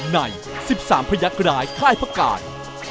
ใน๑๓พยักษร้ายค่ายพระการ